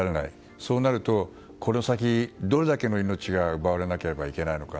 そうなると、この先どれだけの命が奪われなければいけないのか。